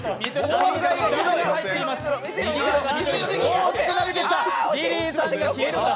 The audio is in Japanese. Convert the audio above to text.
大きく投げてきた！